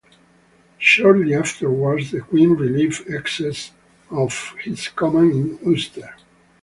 Shortly afterwards, the Queen relieved Essex of his command in Ulster.